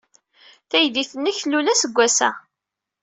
Taydit-nnek tlul aseggas-a.